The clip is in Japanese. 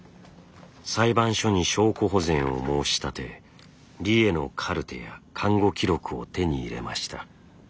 裁判所に証拠保全を申し立て理栄のカルテや看護記録を手に入れました。